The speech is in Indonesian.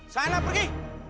saya enak pergi